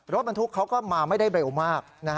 รถบรรทุกเขาก็มาไม่ได้เร็วมาก